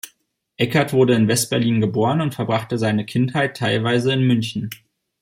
Eckart wurde in West-Berlin geboren und verbrachte seine Kindheit teilweise in München.